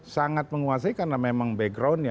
sangat menguasai karena memang backgroundnya